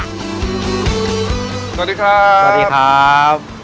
สวัสดีครับสวัสดีครับสวัสดีครับ